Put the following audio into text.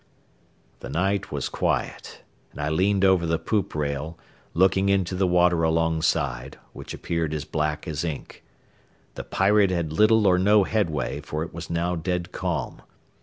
The night was quiet, and I leaned over the poop rail, looking into the water alongside, which appeared as black as ink. The Pirate had little or no headway, for it was now dead calm.